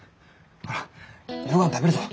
ほら夜ごはん食べるぞ。